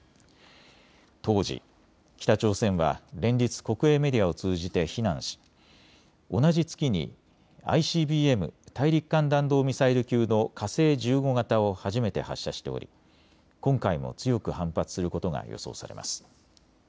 当時、北朝鮮は連日、国営メディアを通じて非難し同じ月にＩＣＢＭ・大陸間弾道ミサイル級の火星１５型を初めて発射しており今回も強く反発することが予想されます。